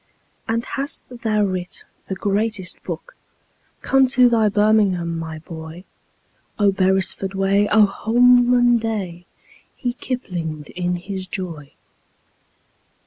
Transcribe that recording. "And hast thou writ the greatest book? Come to thy birmingham, my boy! Oh, beresford way! Oh, holman day!" He kiplinged in his joy.